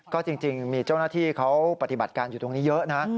ก็จริงมีเจ้าหน้าที่เขาปฏิบัติการอยู่ตรงนี้เยอะนะ